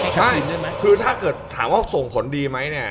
ใช่คือถ้าเกิดถามว่าส่งผลดีไหมเนี่ย